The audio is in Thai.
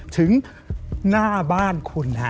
ถึงหน้าบ้านคุณฮะ